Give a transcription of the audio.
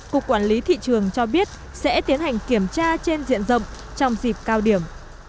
cục quản lý thị trường cho biết sẽ tiến hành kiểm tra trên diện rộng trong dịp cao điểm